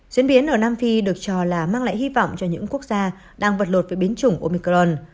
diễn biến ở nam phi được cho là mang lại hy vọng cho những quốc gia đang vật lột với biến chủng omicron